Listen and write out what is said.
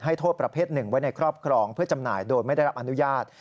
โทษประเภทหนึ่งไว้ในครอบครองเพื่อจำหน่ายโดยไม่ได้รับอนุญาต